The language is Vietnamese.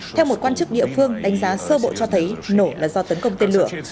theo một quan chức địa phương đánh giá sơ bộ cho thấy nổ là do tấn công tên lửa